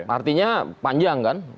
artinya panjang kan